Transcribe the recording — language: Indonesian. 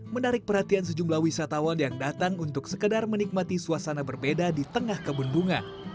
menarik perhatian sejumlah wisatawan yang datang untuk sekedar menikmati suasana berbeda di tengah kebun bunga